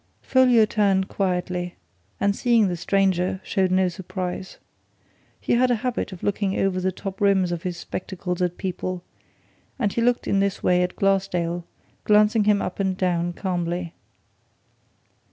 Folliot turned quietly, and seeing the stranger, showed no surprise. He had a habit of looking over the top rims of his spectacles at people, and he looked in this way at Glassdale, glancing him up and down calmly.